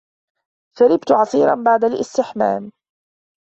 شربت عصيرا بعد الاستحمام.